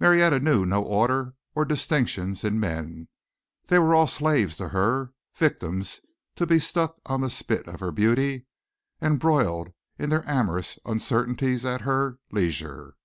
Marietta knew no order or distinctions in men. They were all slaves to her victims to be stuck on the spit of her beauty and broiled in their amorous uncertainties at her leisure.